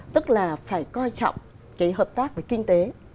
tức là phải coi trọng cái hợp tác về kinh tế